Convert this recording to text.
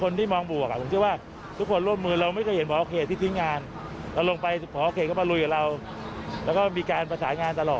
นี่นะฮะคือก็ตอบแบบเขาเรียกอะไร